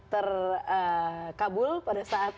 terkabul pada saat